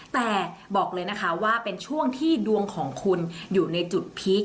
แต่บอกเลยนะคะว่าเป็นช่วงที่ดวงของคุณอยู่ในจุดพีค